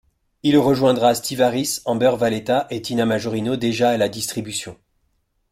Il rejoindra Steve Harris, Amber Valletta et Tina Majorino déjà à la distribution.